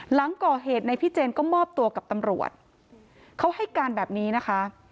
หลังก่อเหตุในพี่เจนก็มอบตัวกับตำรวจเขาให้การแบบนี้นะคะ